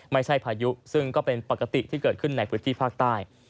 พายุซึ่งก็เป็นปกติที่เกิดขึ้นในพื้นที่ภาคใต้